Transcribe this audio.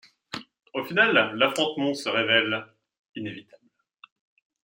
Au final, l'affrontement se révèle inévitable...